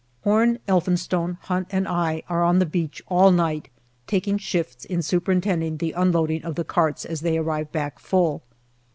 Horn, Elphinstone, Hunt, and I are on the beach all night, taking shifts in superintending the unloading of the carts as they arrive back full.